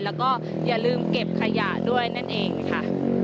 แล้วก็อย่าลืมเก็บขยะด้วยนั่นเองค่ะ